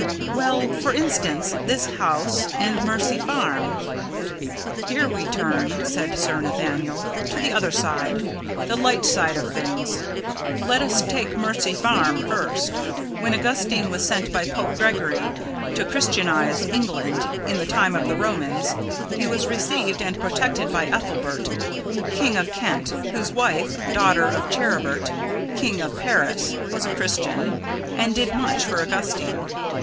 "Well, for instance, this house and Mercy Farm?" "Here we turn," said Sir Nathaniel, "to the other side, the light side of things. Let us take Mercy Farm first. When Augustine was sent by Pope Gregory to Christianise England, in the time of the Romans, he was received and protected by Ethelbert, King of Kent, whose wife, daughter of Charibert, King of Paris, was a Christian, and did much for Augustine.